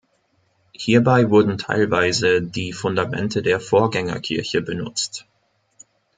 Hierbei wurden teilweise die Fundamente der Vorgängerkirche benutzt.